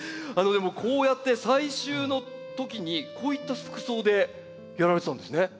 でもこうやって採集のときにこういった服装でやられてたんですね。